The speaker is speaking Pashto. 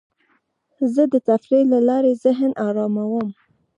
زه د تفریح له لارې ذهن اراموم.